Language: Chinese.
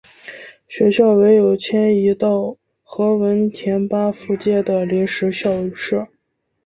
学校唯有迁移到何文田巴富街的临时校舍。